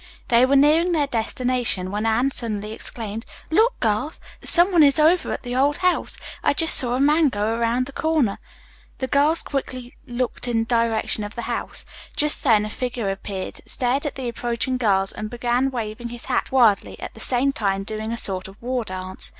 They were nearing their destination when Anne suddenly exclaimed: "Look, girls. Some one is over at the old house. I just saw a man go around the corner!" The girls looked quickly in the direction of the house. Just then a figure appeared, stared at the approaching girls and began waving his hat wildly, at the same time doing a sort of war dance.